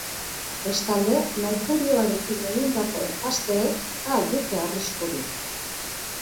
Bestalde, merkurioarekin egindako enpasteek, ba al dute arriskurik?